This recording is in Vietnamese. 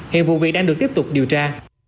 hiện vụ việc đang được tiếp tục điều tra